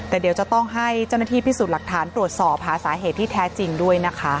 แต่เดี๋ยวจะต้องให้เจ้าหน้าที่พิสูจน์หลักฐานตรวจสอบหาสาเหตุที่แท้จริงด้วยนะคะ